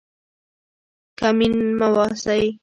کینمن مه اوسئ.